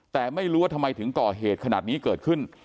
แต่ไม่รู้ว่าทำไมถึงก่อเหตุขนาดนี้เกิดขึ้น